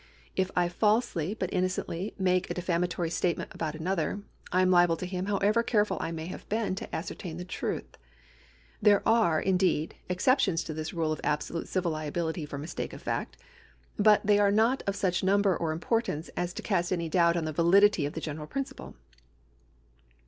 If I falsely but innocently make a defamatory statement about another, I am liable to him however careful I may have been to ascertain the truth. There are, indeed, exceptions to this rule of absolute civil liability for mistake of fact, but they are not of such number or importance as to cast any doubt on the validity of the general principle.